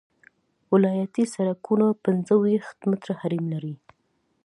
ولایتي سرکونه پنځه ویشت متره حریم لري